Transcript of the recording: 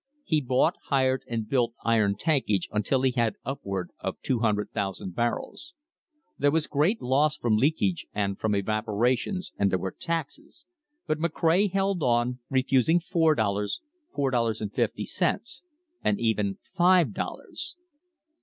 He bought, hired and built iron tankage until he had upward of 200,000 barrels. There was great loss from leakage and from evaporation and there were taxes, but McCray held on, refusing four dollars, $4.50, and even five dollars.